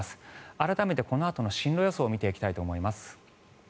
改めてこのあとの進路予想を見ていきたいと思います。